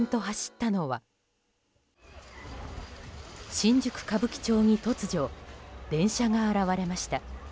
新宿・歌舞伎町に突如電車が現れました。